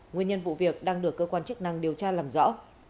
nguyên nhân vụ việc đang được cơ quan chức năng điều tra làm rõ